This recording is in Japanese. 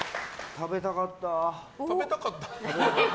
食べたかった？